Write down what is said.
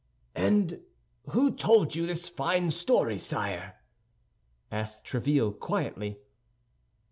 "And who told you this fine story, sire?" asked Tréville, quietly.